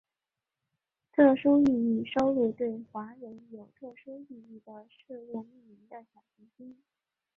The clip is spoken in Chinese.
特殊意义收录对华人有特殊意义的事物命名的小行星。